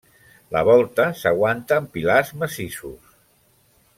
La volta s'aguanta amb pilars massissos.